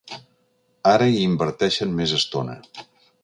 Ara hi inverteixen més estona.